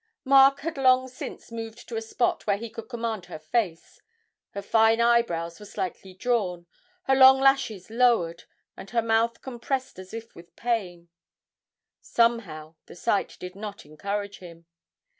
Mark had long since moved to a spot where he could command her face; her fine eyebrows were slightly drawn, her long lashes lowered, and her mouth compressed as if with pain somehow the sight did not encourage him.